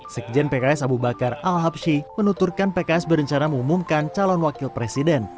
sekjen pks abu bakar al habshi menuturkan pks berencana mengumumkan calon wakil presiden